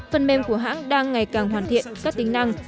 phần mềm của hãng đang ngày càng hoàn thiện các tính năng